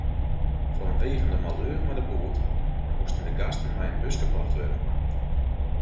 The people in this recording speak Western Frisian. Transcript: Fanwegen de maleur mei de boat moasten de gasten mei in buske brocht wurde.